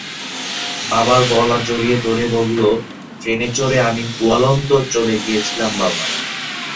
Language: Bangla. বাবার গলা জড়িয়ে ধরে বলল, ট্রেনে চড়ে আমি গোয়ালন্দ চলে গিয়েছিলাম বাবা।